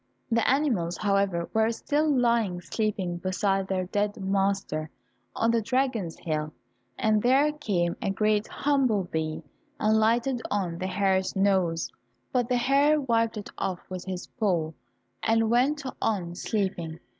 The animals, however, were still lying sleeping beside their dead master on the dragon's hill, and there came a great humble bee and lighted on the hare's nose, but the hare wiped it off with his paw, and went on sleeping.